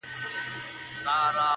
ما چي پېچومي د پامیر ستایلې!